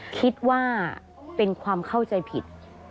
คิดว่าเป็นความเข้าใจผิด